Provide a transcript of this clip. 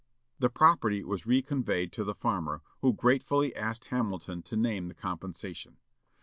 The property was reconveyed to the farmer, who gratefully asked Hamilton to name the compensation.